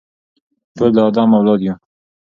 ټول د آدم اولاد یو.